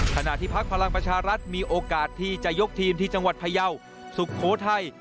พักพลังประชารัฐมีโอกาสที่จะยกทีมที่จังหวัดพยาวสุโขทัย